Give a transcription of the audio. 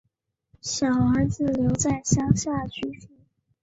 小儿子留在乡下居住